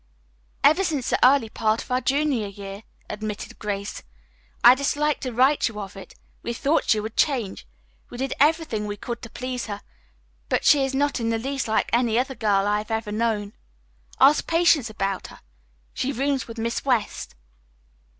"Ever since the early part of our junior year," admitted Grace. "I disliked to write you of it. We thought she would change. We did everything we could to please her, but she is not in the least like any other girl I have ever known. Ask Patience about her. She rooms with Miss West."